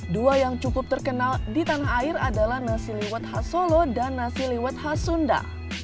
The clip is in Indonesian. dua yang cukup terkenal di tanah air adalah nasi liwet khas solo dan nasi liwet khas sunda